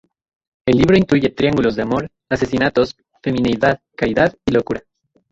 El libro incluye triángulos de amor, asesinatos, femineidad, caridad, y locura.